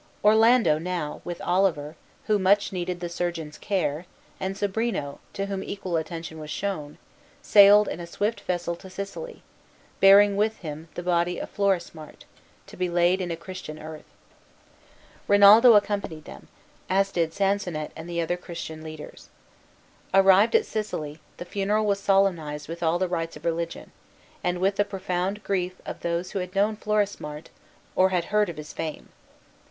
Orlando now, with Oliver, who much needed the surgeon's care, and Sobrino, to whom equal attention was shown, sailed in a swift vessel to Sicily, bearing with him the body of Florismart, to be laid in Christian earth. Rinaldo accompanied them, as did Sansonnet and the other Christian leaders. Arrived at Sicily, the funeral was solemnized with all the rites of religion, and with the profound grief of those who had known Florismart, or had heard of his fame.